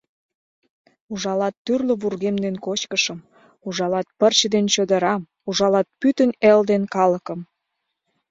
Ужалат тӱрлӧ вургем ден кочкышым, ужалат пырче ден чодырам, ужалат пӱтынь эл ден калыкым.